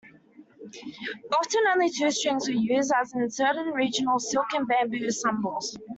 Often, only two strings were used, as in certain regional silk-and-bamboo ensembles.